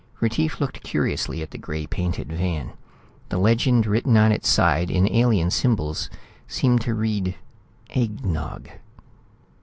Retief looked curiously at the gray painted van. The legend written on its side in alien symbols seemed to read "egg nog."